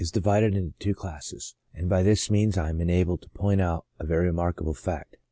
l6l divided into two classes, and by this means I am enabled to point out a very remarkable fact, viz.